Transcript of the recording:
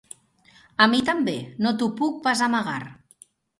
A mi també, no t’ho puc pas amagar.